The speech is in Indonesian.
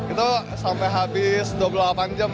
itu sampai habis dua puluh delapan jam berarti buat pp doang